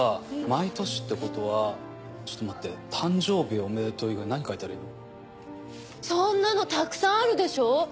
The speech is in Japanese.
毎年ってことはちょっと待っ誕生日おめでとう以外に何書いたらいいのそんなのたくさんあるでしょ